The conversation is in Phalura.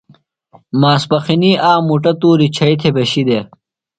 ماسپخِنی آ مُٹہ تُوریۡ چھئیۡ تھےۡ بھیشیۡ دےۡ۔